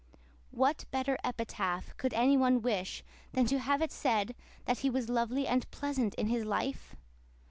What better epitaph could any one wish than to have it said that he was lovely and pleasant in his life?